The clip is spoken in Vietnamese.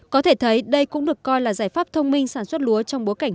có thể thấy đây cũng được coi là giải pháp thông minh sáng tạo của các đơn vị